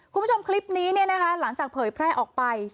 คุณผู้ชมคลิปนี้เนี่ยนะคะหลังจากเผยแพร่ออกไป